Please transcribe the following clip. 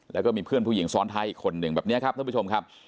แล้วก็มีเพื่อนผู้หญิงซ้อนท้ายอีกคนหนึ่งแบบนี้ครับ